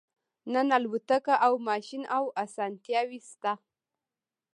نن الوتکه او ماشین او اسانتیاوې شته